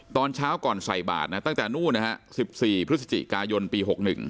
ตอนเช้าก่อนใส่บาทนะตั้งแต่นู่นนะฮะ๑๔พฤศจิกายนปี๖๑